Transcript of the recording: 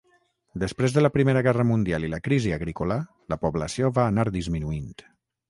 Després de la primera guerra mundial i la crisi agrícola la població va anar disminuint.